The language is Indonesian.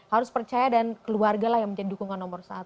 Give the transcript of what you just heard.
harus percaya dan keluarga lah yang menjadi dukungan nomor satu